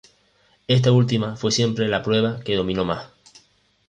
Esta última fue siempre la prueba que dominó más.